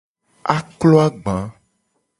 Aklo agba.